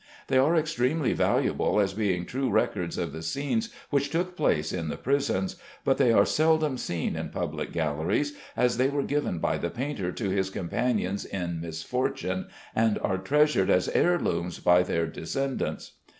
They are extremely valuable as being true records of the scenes which took place in the prisons, but they are seldom seen in public galleries, as they were given by the painter to his companions in misfortune, and are treasured as heirlooms by their descendants.